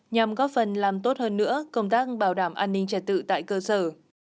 nhằm góp phần làm tốt hơn nữa công tác bảo đảm an ninh trật tự tại cơ sở